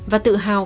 và tự hào